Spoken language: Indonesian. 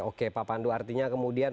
oke pak pandu artinya kemudian